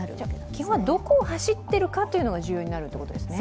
基本はどこを走ってるかというのが重要になるわけですね？